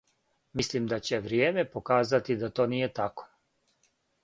Мислим да ће вријеме показати да то није тако.